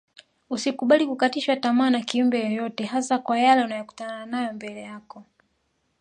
Usikubali kukatishwa tamaa na kiumbe yeyote hasa kwa yale unayokutana nayo mbele yako